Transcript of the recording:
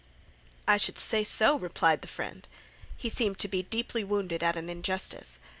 "I should say so," replied the friend. He seemed to be deeply wounded at an injustice.